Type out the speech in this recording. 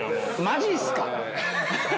マジっすか？